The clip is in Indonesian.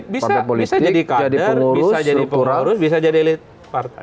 bisa bisa jadi kader bisa jadi pengurus bisa jadi elit partai